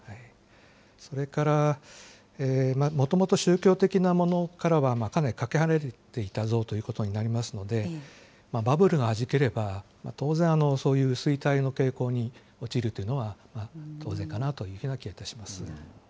それから、もともと宗教的なものからはかなりかけ離れていた像ということになりますので、バブルがはじければ、当然、そういう衰退の傾向に陥るというのは、当然かなという気はいたします。